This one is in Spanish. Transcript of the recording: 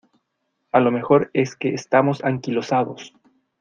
a lo mejor es que estamos anquilosados.